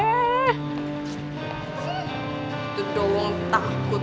itu doang takut